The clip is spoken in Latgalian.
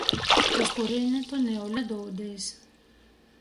Iz kurīni tu niule dūdīs?